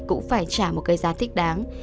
cũng phải trả một cây giá thích đáng